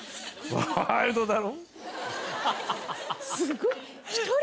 ワイルドだろ？